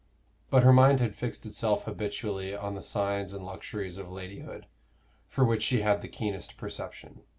But her mind had fixed itself habitually on the signs and luxuries of ladyhood, for which she had the keenest perception.